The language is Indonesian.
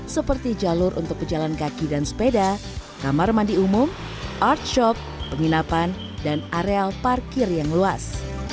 seperti jalur untuk pejalan kaki dan sepeda kamar mandi umum artshop penginapan dan areal parkir yang luas